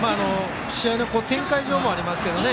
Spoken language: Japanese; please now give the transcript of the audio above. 試合の展開上もありますけどね。